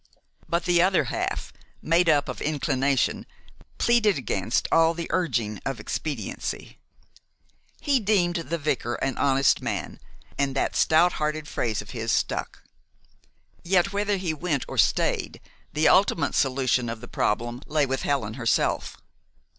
But the other half, made up of inclination, pleaded against all the urging of expediency. He deemed the vicar an honest man, and that stout hearted phrase of his stuck. Yet, whether he went or stayed, the ultimate solution of the problem lay with Helen herself.